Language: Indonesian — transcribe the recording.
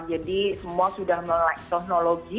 jadi semua sudah melalui teknologi